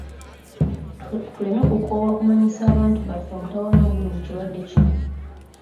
Tuleme kukoowa kumanyisa abantu baffe omutawaana oguli mu kirwadde kino.